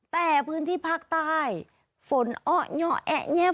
แต่พื้นที่ภาคใต้ฝนอ้อเงาะแอะแงะ